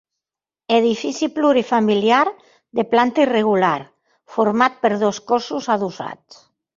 Edifici plurifamiliar de planta irregular, format per dos cossos adossats.